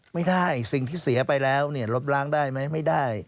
ไม่ได้สิ่งที่เสียไปแล้วเนี่ยลบล้างได้ไหมไม่ได้